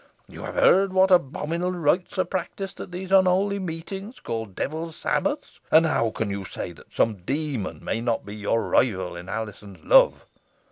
You have heard what abominable rites are practised at those unholy meetings called Devil's Sabbaths, and how can you say that some demon may not be your rival in Alizon's love?"